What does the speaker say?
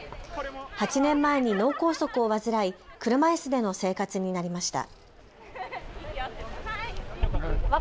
８年前に脳梗塞を患い車いすでの生活になりました。